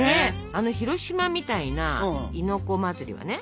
あの広島みたいな「亥の子祭り」はね